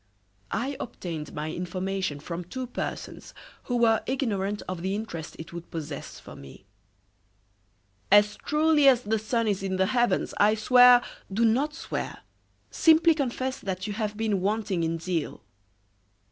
"I obtained my information from two persons who were ignorant of the interest it would possess for me." "As truly as the sun is in the heavens I swear " "Do not swear; simply confess that you have been wanting in zeal."